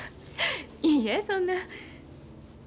いいえそんな。